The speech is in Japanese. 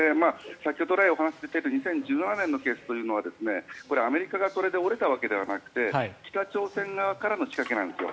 先ほど来、お話が出ている２０１７年のケースはこれはアメリカがそれで折れたわけではなくて北朝鮮側からの仕掛けなんですよ。